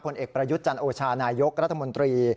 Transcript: เอกประยุทธ์จันโอชานายกรัฐมนตรี